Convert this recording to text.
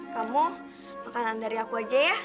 kamu makanan dari aku aja ya